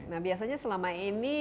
nah biasanya selama ini